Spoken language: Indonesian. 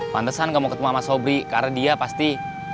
pantesan kamu ketemu sama sobri karena dia pasti